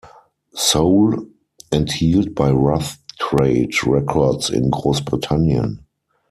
Soul" enthielt, bei Rough Trade Records in Großbritannien.